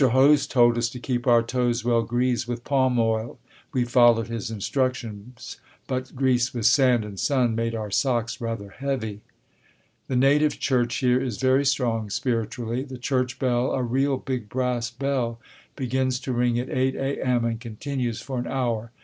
Hoste told us to keep our toes well greased with palm oil. We followed his instructions, but grease with sand and sun made our socks rather "heavy." The native church here is very strong spiritually. The church bell, a real big brass bell, begins to ring at 8 A. M. and continues for an hour.